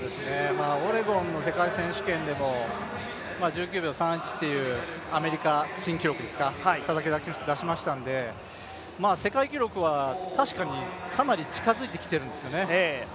オレゴンの世界選手権でも１１秒３１っていうアメリカ新記録ですか、たたき出しましたので、世界記録は確かにかなり近づいてきているんですよね。